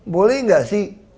boleh tidak sih